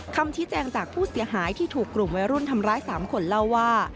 คำชี้แจงจากผู้เสียหายที่ถูกกลุ่มวัยรุ่นทำร้าย๓คนเล่าว่า